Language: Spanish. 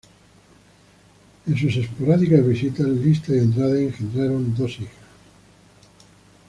En sus esporádicas visitas, Lista y Andrade engendraron dos hijas.